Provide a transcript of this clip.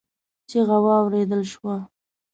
چيغه واورېدل شوه.